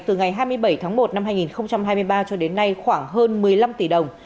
từ ngày hai mươi bảy tháng một năm hai nghìn hai mươi ba cho đến nay khoảng hơn một mươi năm tỷ đồng